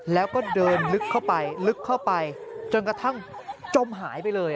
แล้วก็เดินลึกเข้าไปลึกเข้าไปจนกระทั่งจมหายไปเลย